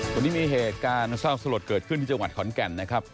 วันนี้มีเหตุการณ์เศร้าสลดเกิดขึ้นที่จังหวัดขอนแก่นนะครับ